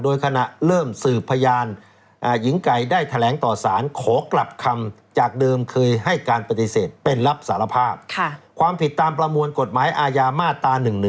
โดยขณะเริ่มสืบพยานหญิงไก่ได้แถลงต่อสารขอกลับคำจากเดิมเคยให้การปฏิเสธเป็นรับสารภาพความผิดตามประมวลกฎหมายอาญามาตรา๑๑๒